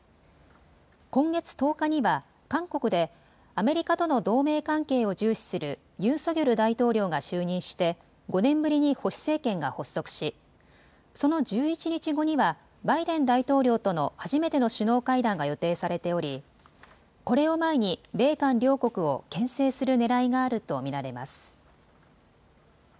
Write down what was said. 今月１０日には韓国でアメリカとの同盟関係を重視するユン・ソギョル大統領が就任して５年ぶりに保守政権が発足しその１１日後にはバイデン大統領との初めての首脳会談が予定されており、これを前に米韓両国をけん制するねらいがあると見られます。